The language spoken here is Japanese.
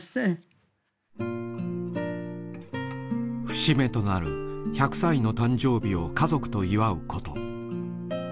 節目となる１００歳の誕生日を家族と祝うこと。